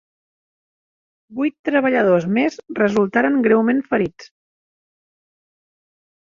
Vuit treballadors més resultaren greument ferits.